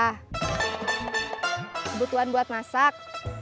kebutuhan buat masak